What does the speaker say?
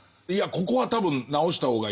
ここは多分直した方がいい。